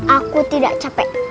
aku tidak capek